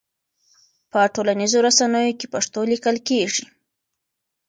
په ټولنيزو رسنيو کې پښتو ليکل کيږي.